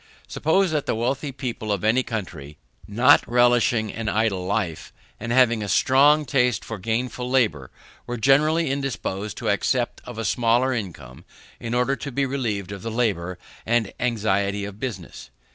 Suppose that the wealthy people of any country, not relishing an idle life, and having a strong taste for gainful labour, were generally indisposed to accept of a smaller income in order to be relieved from the labour and anxiety of business.